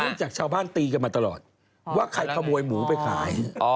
จากชาวบ้านตีกันมาตลอดว่าใครขโมยหมูไปขาย